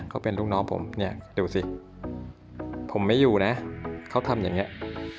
เขาเป็นลูกน้องผมเนี่ยดูสิผมไม่อยู่นะเขาทำอย่างนี้